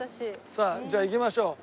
さあじゃあ行きましょう。